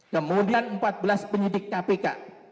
kemudian empat belas penyidik kpk